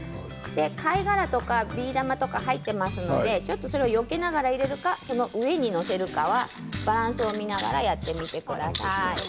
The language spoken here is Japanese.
貝殻とかビー玉とか入っていますのでそれをよけながら入れるか上に載せるかはバランスを見ながらやってください。